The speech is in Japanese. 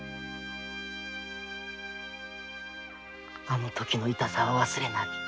あのときの痛さは忘れない。